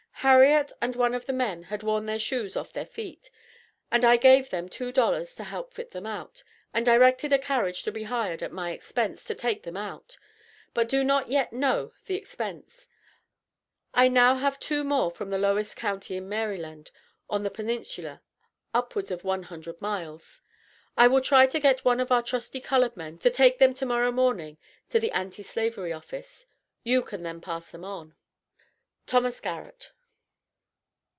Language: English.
Harriet, and one of the men had worn their shoes off their feet, and I gave them two dollars to help fit them out, and directed a carriage to be hired at my expense, to take them out, but do not yet know the expense. I now have two more from the lowest county in Maryland, on the Peninsula, upwards of one hundred miles. I will try to get one of our trusty colored men to take them to morrow morning to the Anti slavery office. You can then pass them on. THOMAS GARRETT.